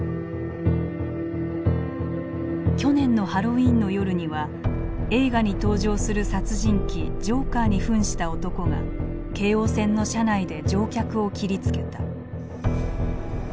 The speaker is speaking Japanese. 去年のハロウィーンの夜には映画に登場する殺人鬼ジョーカーにふんした男が京王線の車内で乗客を切りつけた。